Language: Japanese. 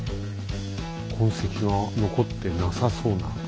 痕跡が残ってなさそうな。